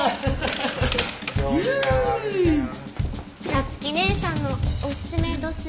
早月姉さんのおすすめどすえ。